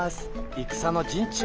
戦の陣中